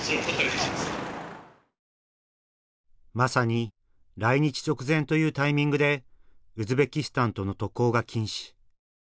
まさに来日直前というタイミングでウズベキスタンとの渡航が禁止。